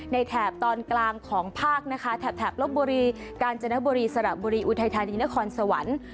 แถบตอนกลางของภาคนะคะแถบลบบุรีกาญจนบุรีสระบุรีอุทัยธานีนครสวรรค์